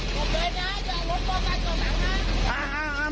ลงเลยนะจะเอารถกลงไปตรงหลังนะอ่าอ่าอ่า